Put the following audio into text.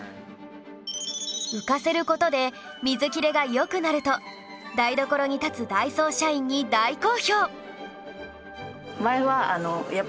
浮かせる事で水切れが良くなると台所に立つダイソー社員に大好評